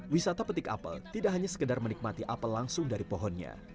wisata petik apel tidak hanya sekedar menikmati apel langsung dari pohonnya